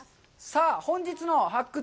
さあ、本日の「発掘！